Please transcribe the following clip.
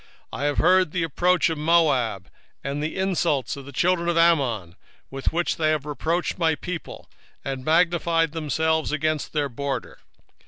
2:8 I have heard the reproach of Moab, and the revilings of the children of Ammon, whereby they have reproached my people, and magnified themselves against their border.